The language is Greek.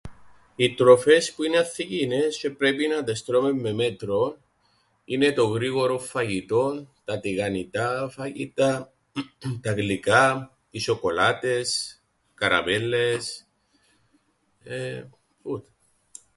Οι τροφές που είναι ανθυγιεινές τζ̆αι πρέπει να τες τρώμε με μέτρον είναι το γρήγορον φαγητόν, τα τηγανητά φαγητά, τα γλυκά, οι σ̆οκολάτες, καραμέλλες εε... τούτα.